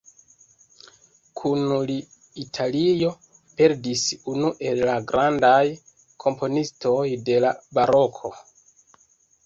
Kun li Italio perdis unu el la grandaj komponistoj de la baroko.